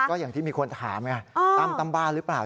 ก็อย่างที่มีคนถามไงตั้มบ้านหรือเปล่า